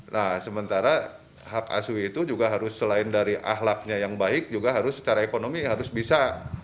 nah sementara hak asuh itu juga harus selain dari ahlaknya yang baik juga harus secara ekonomi harus bisa